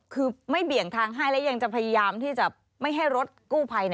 คือไม่เบี่ยงทางให้และยังจะพยายามที่จะไม่ให้รถกู้ภัย